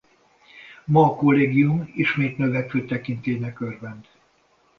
Ma a kollégium ismét növekvő tekintélynek örvend.